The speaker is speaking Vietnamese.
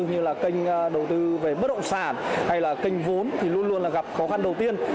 như là kênh đầu tư về bất động sản hay là kênh vốn thì luôn luôn là gặp khó khăn đầu tiên